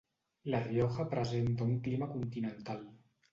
La Rioja presenta un clima continental.